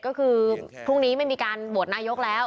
ก็คือพรุ่งนี้ไม่มีการโหวตนายกแล้ว